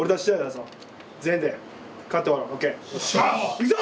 いくぞ！